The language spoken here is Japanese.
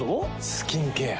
スキンケア。